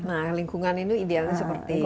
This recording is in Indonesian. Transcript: nah lingkungan itu idealnya seperti apa